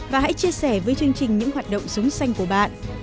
và hãy chia sẻ với chương trình những hoạt động sống xanh của bạn